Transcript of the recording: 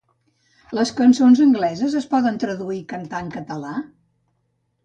Les cançons angleses es poden traduir i cantar en català?